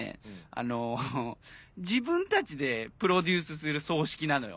あの自分たちでプロデュースする葬式なのよ。